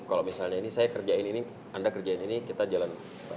kalau misalnya ini saya kerjain ini anda kerjain ini kita jalan